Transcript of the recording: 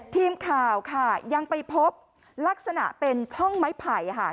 ทีมข่าวค่ะยังไปพบลักษณะเป็นช่องไม้ไผ่ค่ะ